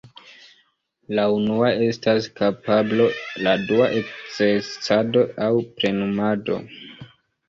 La unua estas kapablo, la dua ekzercado aŭ plenumado.